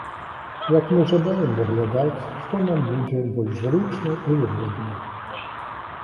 Як мы жадаем выглядаць, што нам будзе больш зручна і выгодна.